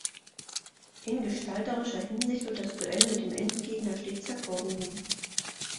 In gestalterischer Hinsicht wird das Duell mit dem Endgegner stets hervorgehoben.